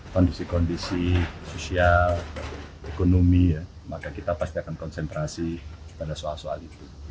kondisi kondisi sosial ekonomi ya maka kita pasti akan konsentrasi pada soal soal itu